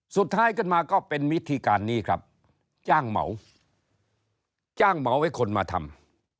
สุดท้ายขึ้นมาก็เป็นวิธีการนี้ครับจ้างเหมาจ้างเหมาให้คนมาทำ